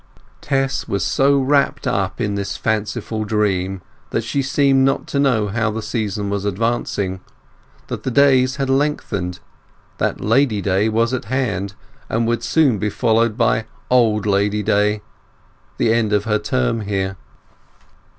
Tess was so wrapt up in this fanciful dream that she seemed not to know how the season was advancing; that the days had lengthened, that Lady Day was at hand, and would soon be followed by Old Lady Day, the end of her term here.